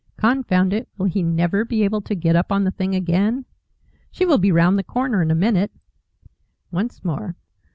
Confound it, will he NEVER be able to get up on the thing again? She will be round the corner in a minute. Once more.